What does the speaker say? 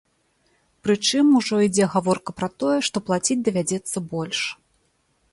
Прычым ужо ідзе гаворка пра тое, што плаціць давядзецца больш.